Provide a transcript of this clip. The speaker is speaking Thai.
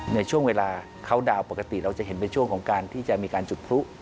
ในช่วงเวลาเขาดาวน์ปกติเราจะเห็นเป็นช่วงของการที่จะมีการจุดพลุ